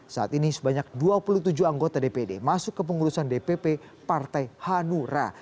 saat ini sebanyak dua puluh tujuh anggota dpd masuk ke pengurusan dpp partai hanura